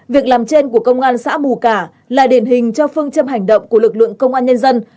việc làm trên của công an xã mù cả là điển hình cho phương châm hành động của lực lượng công an nhân dân